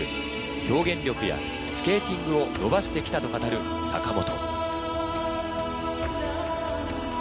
表現力やスケーティングを伸ばして来たと語る坂本。